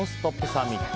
サミット。